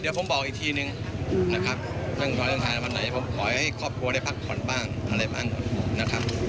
เดี๋ยวผมบอกอีกทีหนึ่งนะครับหาร์มไนผมขอให้ครอบครัวได้พักผ่อนบ้างอะไรบ้างนะครับ